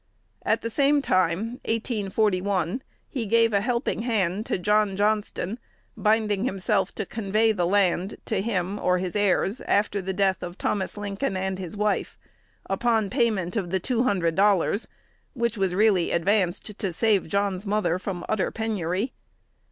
At the same time (1841), he gave a helping hand to John Johnston, binding himself to convey the land to him, or his heirs, after the death of "Thomas Lincoln and his wife," upon payment of the two hundred dollars, which was really advanced to save John's mother from utter penury.